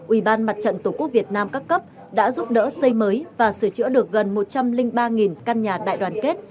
ubnd tqvn các cấp đã giúp đỡ xây mới và sửa chữa được gần một trăm linh ba căn nhà đại đoàn kết